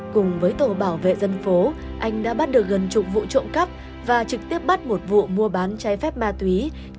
cùng với tổ bảo vệ dân phố anh đã bắt được gần chục vụ trộm cắp và trực tiếp bắt một vụ mua bán trái phép ma túy